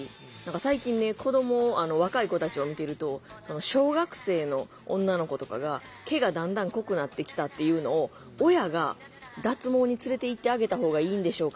最近ね若い子たちを見てると小学生の女の子とかが毛がだんだん濃くなってきたっていうのを親が「脱毛に連れていってあげた方がいいんでしょうか。